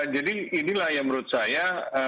jadi inilah yang menurut saya